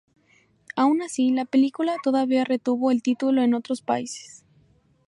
Aun así, la película todavía retuvo el título en otros países.